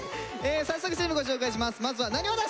早速チームご紹介します。